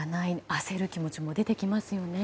焦る気持ちも出てきますよね。